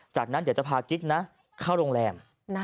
จากนั้นเดี๋ยวจะพากิ๊กนะเข้าโรงแรม